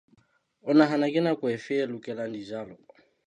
O nahana ke nako efe e lokelang dijalo?